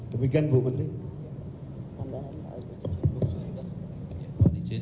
demikian bu menteri